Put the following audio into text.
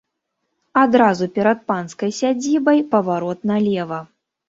Адразу перад панскай сядзібай паварот налева.